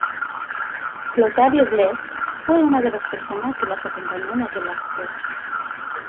Clotario Blest fue una de las personas que las acompañó en aquel acto.